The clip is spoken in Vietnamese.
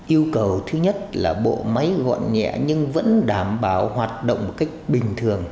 yêu cầu thứ nhất là bộ máy gọn nhẹ nhưng vẫn đảm bảo hoạt động một cách bình thường